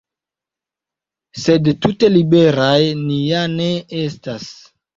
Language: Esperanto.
Sed tute liberaj ni ja ne estas.